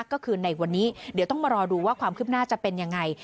ก็คือในวันนี้เดี๋ยวต้องมารอดูว่าความคืบหน้าจะเป็นยังไง